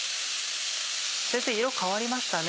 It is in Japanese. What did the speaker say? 先生色変わりましたね。